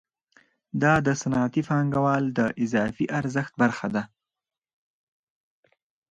دا د صنعتي پانګوال د اضافي ارزښت برخه ده